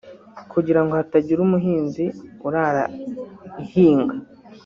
kugira ngo hatagira umuhinzi urara ihinga